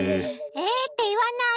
えって言わない。